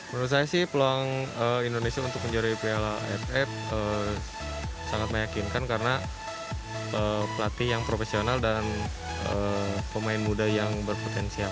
menurut saya sih peluang indonesia untuk menjadi piala ff sangat meyakinkan karena pelatih yang profesional dan pemain muda yang berpotensial